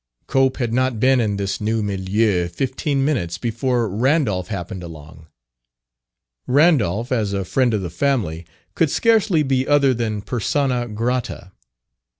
Cope had not been in this new milieu fifteen minutes before Randolph happened along. Randolph, as a friend of the family, could scarcely be other than persona grata.